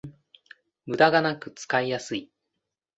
ムダがなく使いやすい